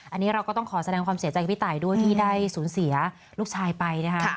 อันนี้เราก็ต้องขอแสดงความเสียใจกับพี่ตายด้วยที่ได้สูญเสียลูกชายไปนะคะ